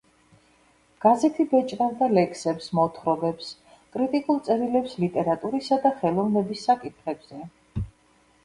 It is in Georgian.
გაზეთი ბეჭდავდა ლექსებს, მოთხრობებს, კრიტიკულ წერილებს ლიტერატურისა და ხელოვნების საკითხებზე.